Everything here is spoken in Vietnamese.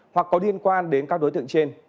hoặc có liên quan đến các đối tượng trên